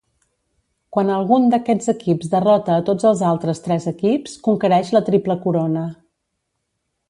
Quan algun d'aquests equips derrota a tots els altres tres equips, conquereix la Triple Corona.